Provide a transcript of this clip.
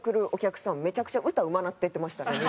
めちゃくちゃ歌うまなっていってましたね。